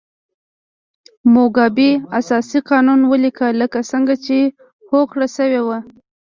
موګابي اساسي قانون ولیکه لکه څنګه چې هوکړه شوې وه.